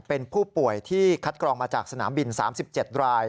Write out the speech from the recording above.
เป็นผู้ป่วยที่คัดกรองมาจากสนามบิน๓๗ราย